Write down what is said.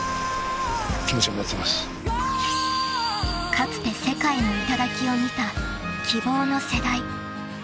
［かつて世界の頂を見た希望の世代］